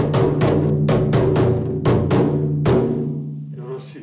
よろしい。